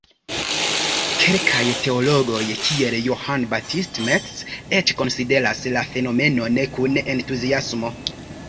Kelkaj teologoj, kiel Johann Baptist Metz, eĉ konsideras la fenomenon kun entuziasmo.